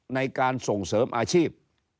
ในการส่งเสริมอาชีพ